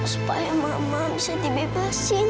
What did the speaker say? supaya mama bisa dibebasin